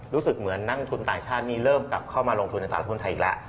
รู้สึกเหมือนนักทุนต่างชาตินี้เริ่มกลับเข้ามาลงทุนในตลาดทุนไทยอีกแล้ว